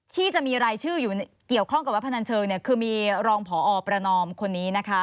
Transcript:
ที่จะมีรายชื่ออยู่เกี่ยวข้องกับเว็บพนันเชิงคือมีรองพอประนอมคนนี้นะคะ